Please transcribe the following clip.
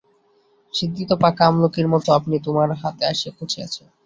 সিদ্ধি তো পাকা আমলকীর মতো আপনি তোমার হাতে আসিয়া পৌঁছিয়াছে।